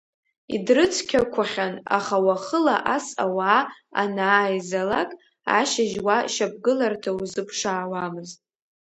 Идрыцқьақәахьан, аха уахыла ас ауаа анааизалак, ашьыжь уа шьапгыларҭа узыԥшаауамызт.